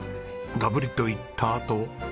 ガブリといったあと。